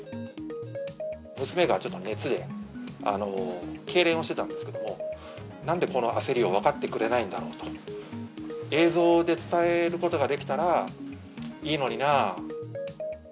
娘がちょっと熱でけいれんをしていたんですけども、なんでこの焦りを分かってくれないんだろうと、映像で伝えることができたらいいのになあ。